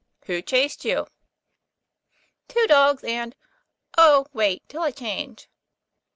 " Who chased you? " 'Two dogs and oh, wait till I change."